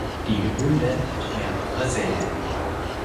Die Höhle hat mehrere Säle.